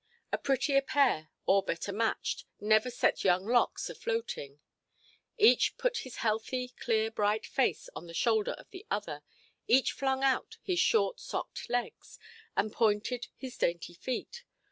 A prettier pair, or better matched, never set young locks afloating. Each put his healthy, clear, bright face on the shoulder of the other, each flung out his short–socked legs, and pointed his dainty feet.